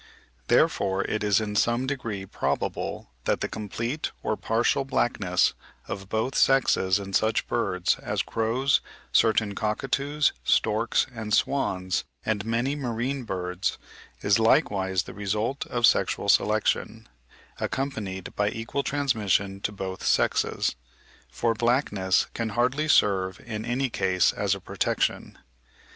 Therefore it is in some degree probable that the complete or partial blackness of both sexes in such birds as crows, certain cockatoos, storks, and swans, and many marine birds, is likewise the result of sexual selection, accompanied by equal transmission to both sexes; for blackness can hardly serve in any case as a protection.